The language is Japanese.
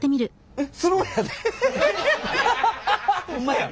えっ。